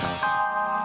gak ada masalah